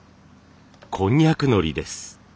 こんにゃくのりです。